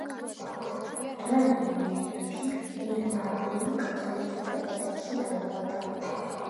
რაიან მერფი ირლანდიელ კათოლიკეთა ოჯახში დაიბადა.